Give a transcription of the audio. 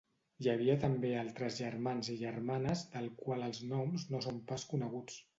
Hi havia també altres germans i germanes del qual els noms no són pas coneguts.